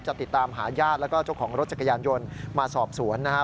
จะติดตามหาญาติแล้วก็เจ้าของรถจักรยานยนต์มาสอบสวนนะฮะ